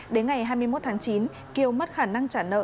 đến ngày hai mươi một tháng chín kiều mất khả năng trả nợ